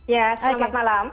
ya selamat malam